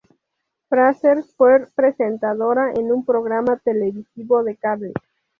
Fraser fue presentadora en un programa televisivo de cable.